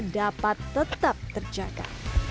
dapat tetap terjaga